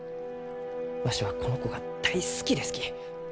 わしはこの子が大好きですき。